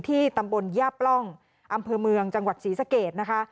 ตำบลย่าปล่องอำเภอเมืองจังหวัดศรีสะเกดนะคะ